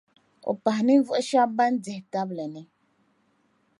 O pahi ninvuɣu shɛba ban dihitabli ni.